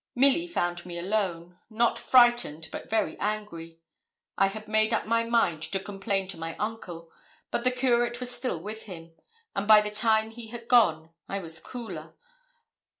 Milly found me alone not frightened, but very angry. I had quite made up my mind to complain to my uncle, but the Curate was still with him; and, by the time he had gone, I was cooler.